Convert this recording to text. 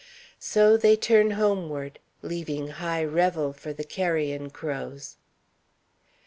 So they turn homeward, leaving high revel for the carrion crows.